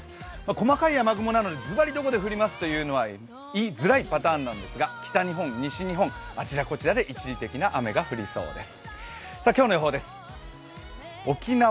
細かい雨雲なのでずばりどこで降りますっていうのは言いづらいパターンなんですが、北日本、西日本のあちらこちらで一時的な雨が降りそうです。